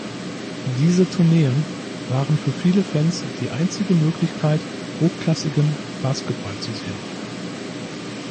Diese Tourneen waren für viele Fans die einzige Möglichkeit, hochklassigen Basketball zu sehen.